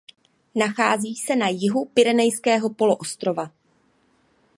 Nachází se na jihu Pyrenejského poloostrova.